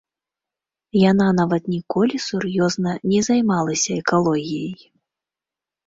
Яна нават ніколі сур'ёзна не займалася экалогіяй.